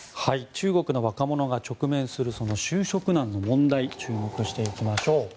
中国の若者が直面する就職難の問題に注目していきましょう。